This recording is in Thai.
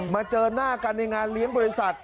เจอหน้ากันในงานเลี้ยงบริษัท